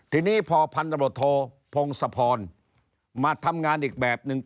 ทีนี้พอพันธบทโทพงศพรมาทำงานอีกแบบนึง